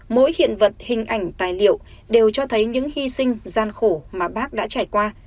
mỗi hiện vật hình ảnh tài liệu đều cho thấy những hy sinh gian khổ mà bác đã trải qua